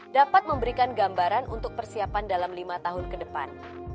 dapat memberikan gambaran untuk persiapan dalam lima tahun ke depan